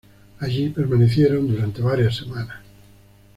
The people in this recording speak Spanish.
Allí permanecieron durante varias semanas.